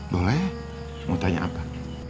boleh mau tanya apa